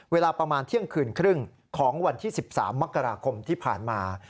เวลาประมาณเที่ยงคืนครึ่งของวันที่๑๓มกราคมที่ผ่านมา